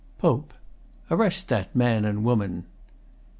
] POPE Arrest that man and woman!